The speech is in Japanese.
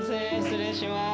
失礼します。